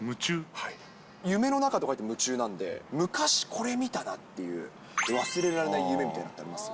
夢の中と書いて夢中なんで、昔、これ見たなっていう、忘れられない夢みたいなのってあります？